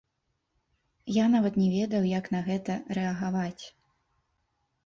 Я нават не ведаў, як на гэта рэагаваць.